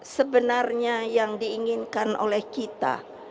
sebenarnya yang diinginkan oleh kita